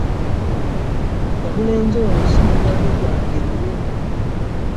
Omulenzi ono si mukwano gwange nnyo.